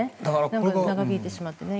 長引いてしまってね。